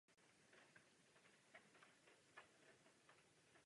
Je odtud kruhový výhled na region Horní Galileji.